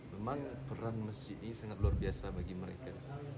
memang peran masjid ini sangat luar biasa bagi mereka